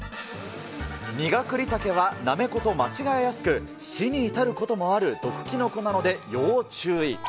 ニガクリタケはナメコと間違えやすく、死に至ることもある毒キノコなので要注意。